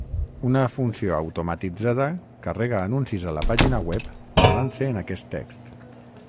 Una funció automatitzada carrega anuncis a la pàgina web basant-se en aquest text.